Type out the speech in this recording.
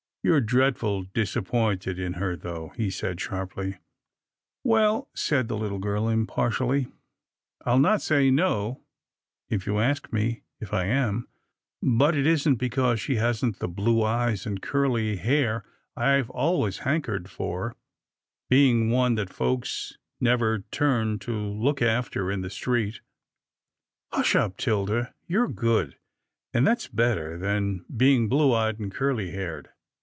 " You're dreadful disappointed in her, though," he said, sharply. " Well," said the little girl impartially, " I'll not say no, if you ask me if I am, but it isn't because she hasn't the blue eyes and curly hair I've always hankered for — being one that folks never turn to look after in the street —" THE MATTER WITH GRAMPA 21 " Hush up, 'Tilda, you're good, and that's better than being blue eyed and curly haired."